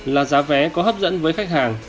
là giá vé có hấp dẫn với khách hàng